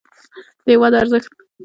د هېواد ارزښت